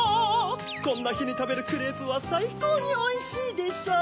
こんなひにたべるクレープはさいこうにおいしいでしょう！